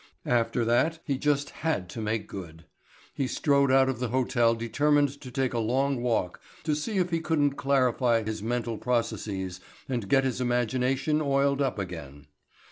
After that he just had to make good. He strode out of the hotel determined to take a long walk to see if he couldn't clarify his mental processes and get his imagination oiled up again.